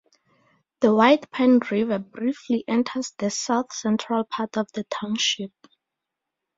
The White Pine River briefly enters the south-central part of the township.